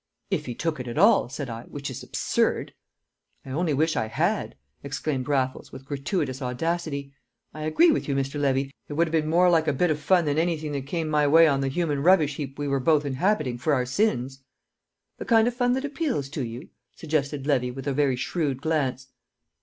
"If he took it at all," said I. "Which is absurd." "I only wish I had!" exclaimed Raffles, with gratuitous audacity. "I agree with you, Mr. Levy, it would have been more like a bit of fun than anything that came my way on the human rubbish heap we were both inhabiting for our sins." "The kind of fun that appeals to you?" suggested Levy, with a very shrewd glance.